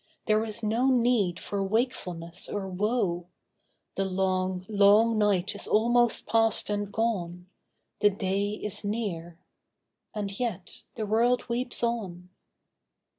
There is no need for wakefulness or woe, The long, long night is almost past and gone, The day is near.' And yet the world weeps on.